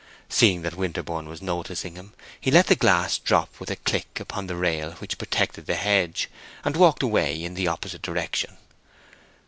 Seeing that Winterborne was noticing him, he let his glass drop with a click upon the rail which protected the hedge, and walked away in the opposite direction.